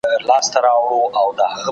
زموږ په هېواد کي دا روحیه لا مروجه نه وه.